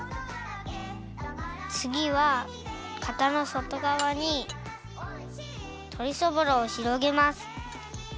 つぎはかたのそとがわにとりそぼろをひろげます。